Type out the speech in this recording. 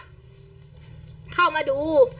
เดี๋ยวลองฟังดูนะครับ